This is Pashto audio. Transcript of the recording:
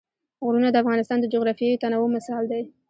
غرونه د افغانستان د جغرافیوي تنوع مثال دی.